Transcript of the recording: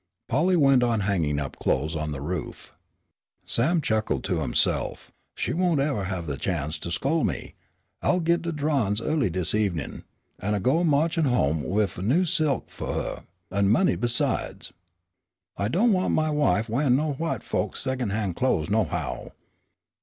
Polly went on hanging up clothes on the roof. Sam chuckled to himself: "She won't never have a chanst to scol' me. I'll git de drawin's early dis evenin', an' go ma'chin' home wif a new silk fu' huh, an' money besides. I do' want my wife waihin' no white folks' secon' han' clothes nohow.